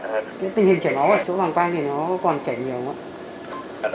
cái tình hình chảy máu ở chỗ vàng quang thì nó còn chảy nhiều không ạ